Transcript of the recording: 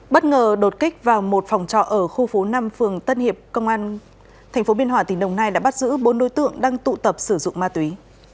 bất ngờ đột kích vào một phòng trọ ở khu phố năm phường tân hiệp công an tp hcm đã bắt giữ bốn đối tượng đang tụ tập sử dụng ma túy